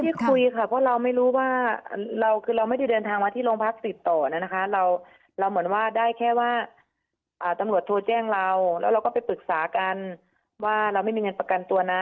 คุยค่ะเพราะเราไม่รู้ว่าเราคือเราไม่ได้เดินทางมาที่โรงพักติดต่อนะคะเราเหมือนว่าได้แค่ว่าตำรวจโทรแจ้งเราแล้วเราก็ไปปรึกษากันว่าเราไม่มีเงินประกันตัวนะ